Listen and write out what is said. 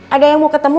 ada yang mau ketemu